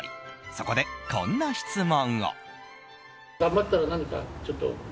そこで、こんな質問を。